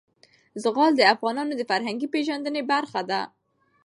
زغال د افغانانو د فرهنګي پیژندنې برخه ده.